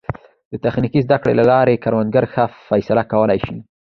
د تخنیکي زده کړو له لارې کروندګر ښه فیصله کولی شي.